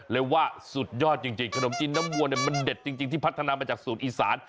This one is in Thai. เรียกว่าสุดยอดจริงขนมจีนน้ำวัวเนี่ยมันเด็ดจริงที่พัฒนามาจากศูนย์อีสาน